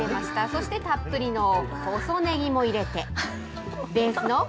そしてたっぷりの細ねぎも入れて。